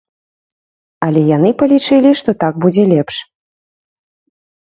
Але яны палічылі, што так будзе лепш.